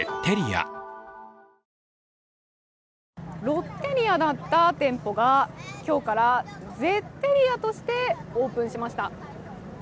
ロッテリアだった店舗が今日からゼッテリアとしてオープンしました。